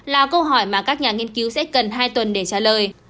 là câu hỏi mà các nhà nghiên cứu sẽ cần hai tuần để trả lời